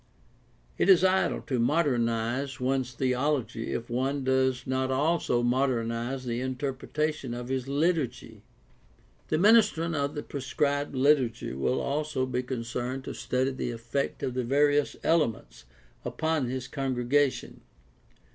It is idle to modernize one's theology if one does not also modernize the interpretation of his liturgy. The ministrant of the prescribed liturgy will also be con cerned to study the effect of the various elements upon his congregation.